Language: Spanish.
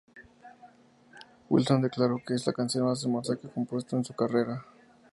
Wilson declaró que es la canción más hermosa que ha compuesto en su carrera.